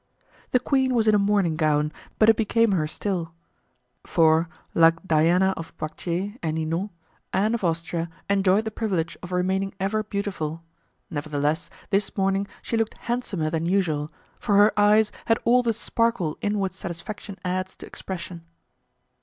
The queen was in a morning gown, but it became her still; for, like Diana of Poictiers and Ninon, Anne of Austria enjoyed the privilege of remaining ever beautiful; nevertheless, this morning she looked handsomer than usual, for her eyes had all the sparkle inward satisfaction adds to expression.